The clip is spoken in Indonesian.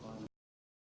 gak ada dia beli dong